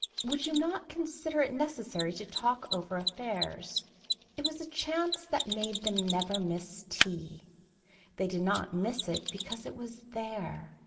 Would you not consider it necessary to talk over affairs. It was a chance that made them never miss tea. They did not miss it because it was there.